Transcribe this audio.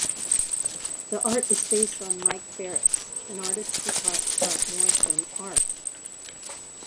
The art is based on Mike Ferris, an artist who taught Scott Morrison art.